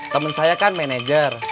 temen saya kan manajer